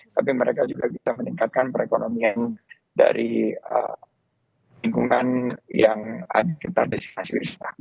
tapi mereka juga bisa meningkatkan perekonomian dari lingkungan yang ada di partisipasi wisata